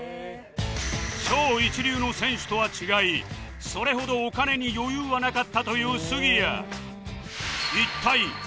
超一流の選手とは違いそれほどお金に余裕はなかったという杉谷